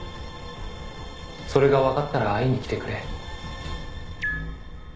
「それがわかったら会いに来てくれ」